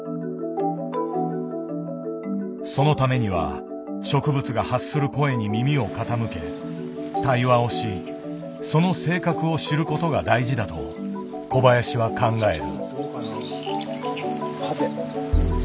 そのためには植物が発する声に耳を傾け対話をしその性格を知ることが大事だと小林は考える。